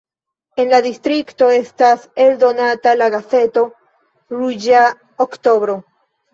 En la distrikto estas eldonata la gazeto "Ruĝa oktobro".